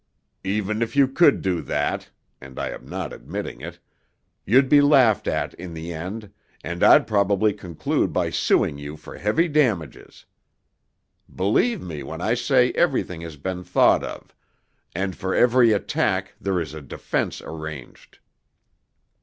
"Even if you could do that—and I am not admitting it—you'd be laughed at in the end, and I'd probably conclude by suing you for heavy damages. Believe me when I say everything has been thought of, and for every attack there is a defense arranged.